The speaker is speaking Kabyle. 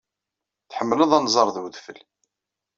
Tḥemmled anẓar ed wedfel.